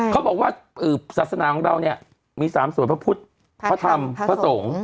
เขาบอกว่าศาสนาของเราเนี่ยมี๓ส่วนพระพุทธพระธรรมพระสงฆ์